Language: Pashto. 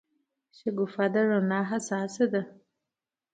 شګوفه د رڼا حساسه ده.